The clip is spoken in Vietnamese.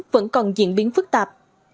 vẫn còn diễn biến phức tạp